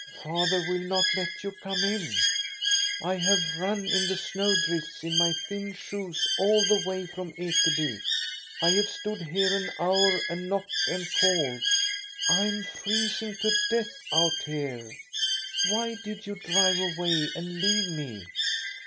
" Father will not let you come in." " I have run in the snow drifts in my thin shoes all the way from Ekeby. I have stood here an hour and knocked and called. I am freezing to death out here. Why did you drive away and leave me?"